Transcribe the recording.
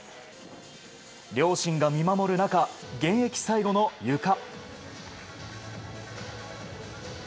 両親が見守る中現役最後のゆか。